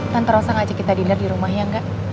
tante terosan ngajak kita dinerth di rumah ya